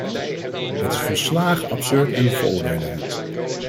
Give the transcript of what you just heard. Het is volslagen absurd en we veroordelen het.